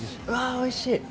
おいしい！